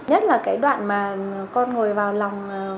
nhất là cái đoạn mà con ngồi vào lòng